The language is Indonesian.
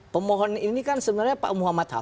pemohon ini kan sebenarnya pak muhammad hat